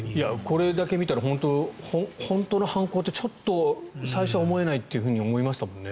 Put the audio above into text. これだけ見たら本当の犯行だってちょっと最初、思えないと思いましたもんね。